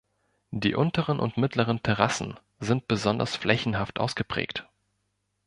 Die unteren und mittleren Terrassen sind besonders flächenhaft ausgeprägt.